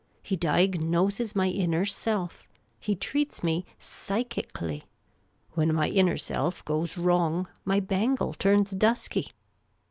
He diagnoses my inner self. He treats me psychically. When my inner self goes wrong, my bangle turns dusky."